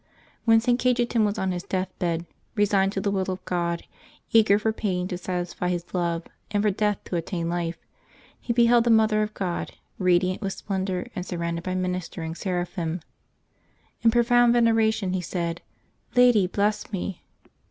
When St. Cajetan was on his death bed, resigned to the will of God, eager for pain to satisfy his love, and for death to attain to life, he beheld the Mother of God, radiant with splendor and sur rounded by ministering seraphim. In profound venera tion, he said, " Lady, bless me